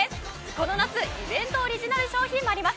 この夏オリジナル商品もあります。